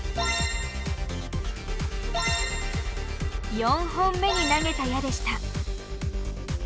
４本目に投げた矢でした。